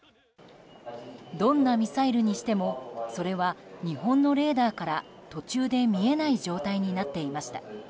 どんなミサイルにしてもそれは日本のレーダーから途中で見えない状態になっていました。